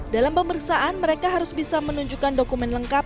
dalam pemeriksaan mereka harus bisa menunjukkan dokumen lengkap